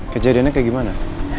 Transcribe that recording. kejadiannya kayak gimana